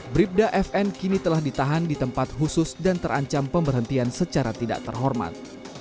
bribda fn kini telah ditahan di tempat khusus dan terancam pemberhentian secara tidak terhormat